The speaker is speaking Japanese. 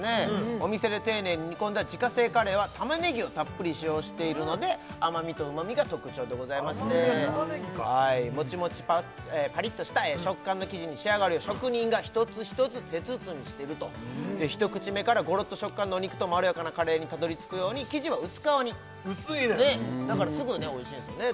お店で丁寧に煮込んだ自家製カレーは玉ねぎをたっぷり使用しているので甘みと旨みが特徴でございまして甘みは玉ねぎかはいモチモチパリッとした食感の生地に仕上がるよう職人が一つ一つ手包みしてると一口目からゴロッと食感のお肉とまろやかなカレーにたどり着くように生地は薄皮に薄いねんだからすぐおいしいんですよね